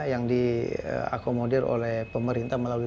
yang diakomodir oleh pemerintah melalui